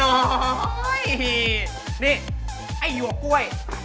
นี่ไอ้หิวกกล้วย